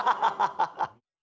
ハハハハ。